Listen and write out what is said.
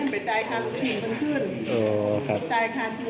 พี่เจนกำลังเล่น